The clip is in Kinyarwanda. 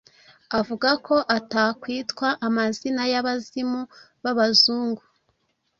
avuga ko atakwitwa amazina y’abazimu b’abazungu